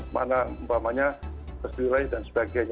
mana mumpamanya keseluruhan dan sebagainya